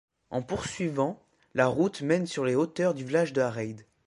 En poursuivant, la route mène sur les hauteurs du village de La Reid.